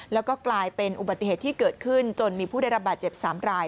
แล้วก็กลายเป็นอุบัติเหตุที่เกิดขึ้นจนมีผู้ได้รับบาดเจ็บ๓ราย